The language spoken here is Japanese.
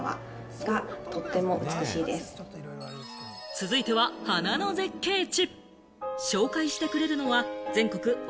続いては花の絶景地。